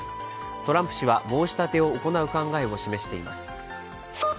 トランプ氏は申し立てを行う考えを示しています。